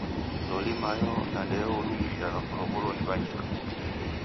Loli mayo na ndeyo w'irumiriagha kulow'olo ni w'anyika?